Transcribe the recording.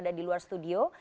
dimana kita di studio